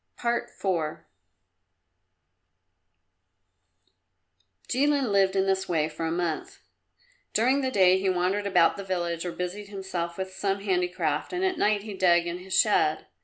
IV Jilin lived in this way for a month. During the day he wandered about the village or busied himself with some handicraft, and at night he dug in his shed.